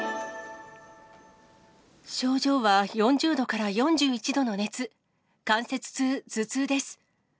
症状は４０度から４１度の熱、関節痛、頭痛です。